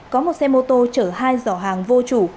có một xe mô tô chở hai giỏ hàng vô chủ